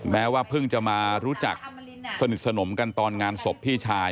แม้ว่าเพิ่งจะมารู้จักสนิทสนมกันตอนงานศพพี่ชาย